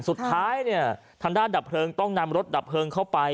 สุดท้ายเนี่ยทางด้านดับเพลิงต้องนำรถดับเพลิงเข้าไป